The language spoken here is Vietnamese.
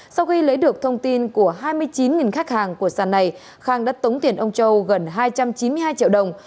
sau khi lấy được thông tin của hai mươi chín khách hàng của sàn này khang đã tống tiền ông châu gần hai trăm chín mươi hai triệu đồng